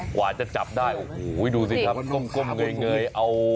กว่าจะจับได้โอ้โหดูสิครับก้มเงยเอา